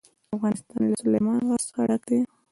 افغانستان له سلیمان غر څخه ډک دی.